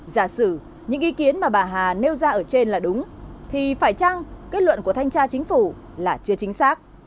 giả sử những ý kiến mà bà hà nêu ra ở trên là đúng thì phải chăng kết luận của thanh tra chính phủ là chưa chính xác